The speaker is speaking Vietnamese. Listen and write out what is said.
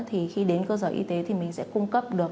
thì khi đến cơ sở y tế thì mình sẽ cung cấp được